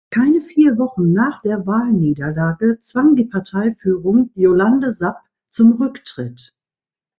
Keine vier Wochen nach der Wahlniederlage zwang die Parteiführung Jolande Sap zum Rücktritt.